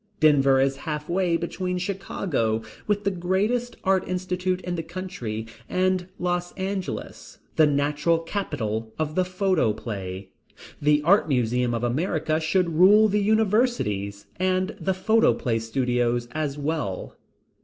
Denver is halfway between Chicago, with the greatest art institute in the country, and Los Angeles, the natural capital of the photoplay. The art museums of America should rule the universities, and the photoplay studios as well.